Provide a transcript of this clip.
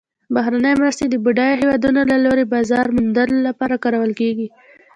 بهرنۍ مرستې د بډایه هیوادونو له لوري بازار موندلو لپاره کارول کیږي.